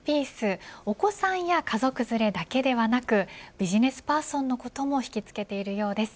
お子さんや家族連れだけではなくビジネスパーソンの事も引きつけているようです。